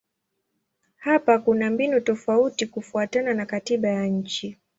Hapa kuna mbinu tofauti kufuatana na katiba ya nchi.